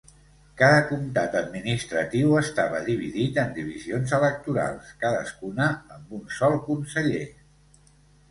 Cada comtat administratiu estava dividit en divisions electorals, cadascuna amb un sol conseller.